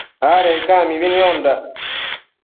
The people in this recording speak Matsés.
Adec ca mibi niondandac